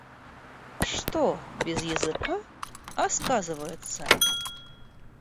Что без языка, а сказывается?